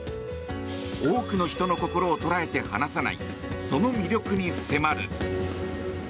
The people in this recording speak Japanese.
多くの人の心を捉えて離さないその魅力に迫る。